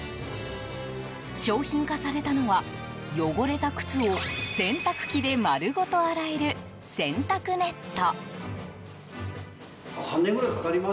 商品化されたのは汚れた靴を洗濯機で丸ごと洗える洗濯ネット。